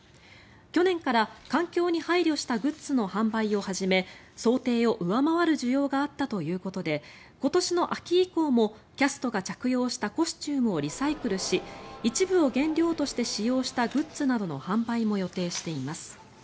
去年から環境に配慮したグッズの販売を始め想定を上回る需要があったということで今年の秋以降もキャストが着用したコスチュームをリサイクルし一部を原料として使用したグッズなどの販売も予定しています。